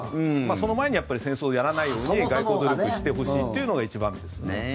その前に戦争をやらないように外交努力してほしいというのが一番です。